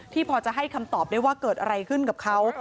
พอจะให้คำตอบได้ว่าเกิดอะไรขึ้นกับเขา